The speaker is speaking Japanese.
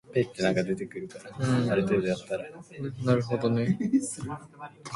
がんばろう